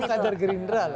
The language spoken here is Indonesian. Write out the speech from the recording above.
itu kajar gerindra lah